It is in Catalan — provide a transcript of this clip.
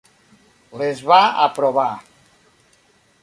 Les va aprovar.